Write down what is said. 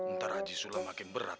ntar aja sulah makin berat